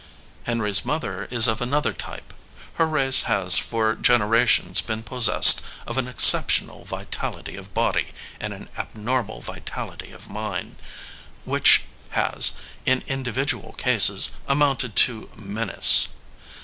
Henry s mother is of another type. Her race has for gen erations been possessed of an exceptional vitality of body and an abnormal vitality of mind, which has, in individual cases, amounted to menace.